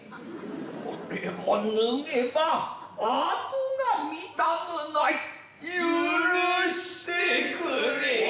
「これを脱げばあとが見たむない」「許してくれい」